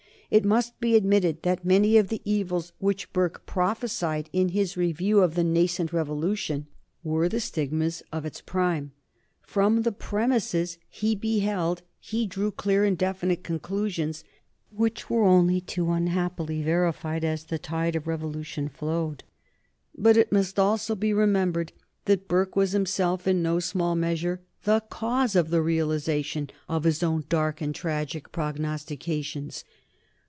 It must be admitted that many of the evils which Burke prophesied in his review of the nascent revolution were the stigmas of its prime. From the premises he beheld he drew clear and definite conclusions, which were only too unhappily verified as the tide of revolution flowed. But it must also be remembered that Burke was himself in no small measure the cause of the realization of his own dark and tragic prognostications.